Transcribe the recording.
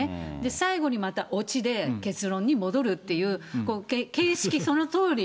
最後にまたおちで、結論に戻るっていう、形式そのとおり。